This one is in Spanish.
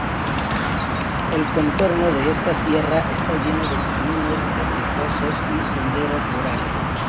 El contorno de esta sierra está lleno de caminos pedregosos y senderos rurales.